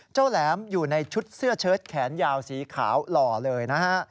แหลมอยู่ในชุดเสื้อเชิดแขนยาวสีขาวหล่อเลยนะฮะ